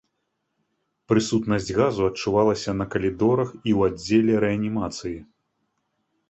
Прысутнасць газу адчувалася на калідорах і ў аддзеле рэанімацыі.